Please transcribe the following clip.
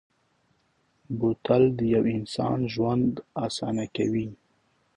بوتل د یو انسان ژوند اسانه کوي.